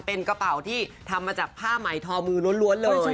เป็นกระเป๋าที่ทำมาจากผ้าใหม่ทอมือล้วนเลย